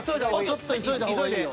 ちょっと急いだ方がいいよ。